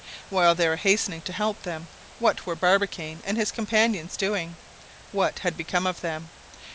While they were hastening to help them, what were Barbicane and his companions doing? What had become of them?